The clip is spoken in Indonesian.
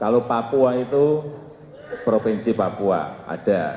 kalau papua itu provinsi papua ada